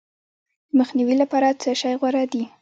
د مخنیوي لپاره څه شی غوره دي؟